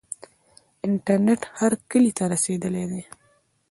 انټرنیټ هر کلي ته رسیدلی دی.